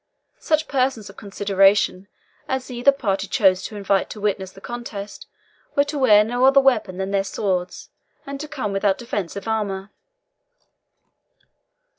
Such persons of consideration as either party chose to invite to witness the contest were to wear no other weapons than their swords, and to come without defensive armour.